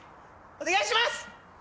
お願いします！